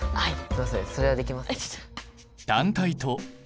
それはできません。